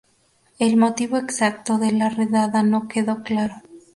El motivo exacto de la redada no quedó claro.